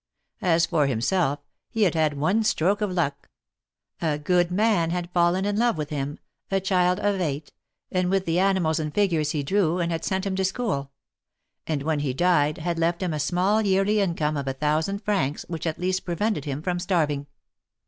As for himself, he had had one stroke of luck. A good man had fallen in love with him — a child of eight — and with the animals and figures he drew, and had sent him to school ; and when he died, had left him a small yearly income of a thousand francs, which at least prevented him from starving.